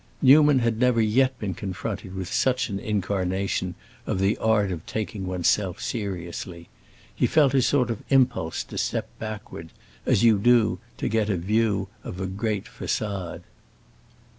Newman had never yet been confronted with such an incarnation of the art of taking one's self seriously; he felt a sort of impulse to step backward, as you do to get a view of a great façade.